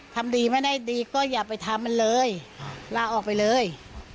ทำดีไม่ได้ดีก็อย่าไปทำมันเลยลาออกไปเลย